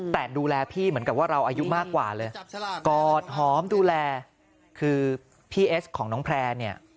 แต่ดูแลพี่เหมือนกับว่าเราอายุมากกว่าเลยกอดหอมดูแลคือพี่เอสของน้องแพร่เนี่ย